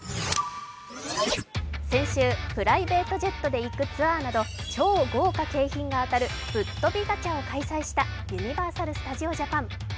先週プライベートジェットで行くツアーなど、超豪華な景品が当たるぶっとびガチャを開催したユニバーサル・スタジオ・ジャパン。